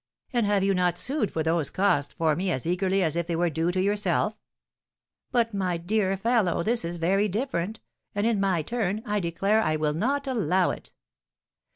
And have you not sued for those costs for me as eagerly as if they were due to yourself?" "But, my dear fellow, this is very different; and, in my turn, I declare I will not allow it."